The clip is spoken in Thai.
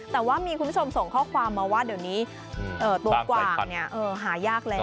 แต่ว่ามีคุณผู้ชมส่งข้อความมาว่าเดี๋ยวนี้ตัวกว่างหายากแล้ว